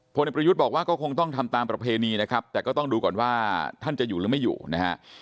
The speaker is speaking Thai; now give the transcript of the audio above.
ประยุทธ์บอกว่าก็คงต้องทำตามประเพณีนะครับแต่ก็ต้องดูก่อนว่าท่านจะอยู่หรือไม่อยู่นะฮะ